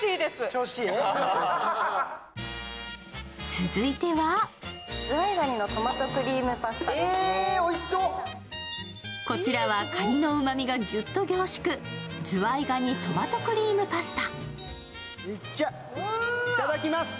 続いてはこちらはかにのうまみがギュッと凝縮、ずわいがにトマトクリームパスタ。